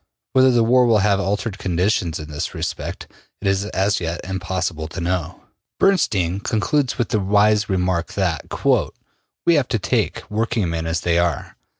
Whether the war will have altered conditions in this respect, it is as yet impossible to know. Bernstein concludes with the wise remark that: ``We have to take working men as they are.